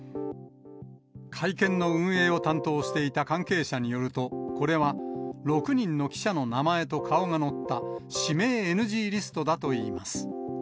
会見の運営を担当していた関係者によると、これは６人の記者の名前と顔が載った、指名ＮＧリストだといいます。